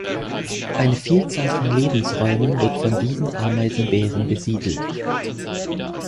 Eine Vielzahl von Lebensräumen wird von diesen Ameisenbären besiedelt.